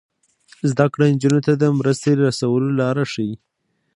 زده کړه نجونو ته د مرستې رسولو لارې ښيي.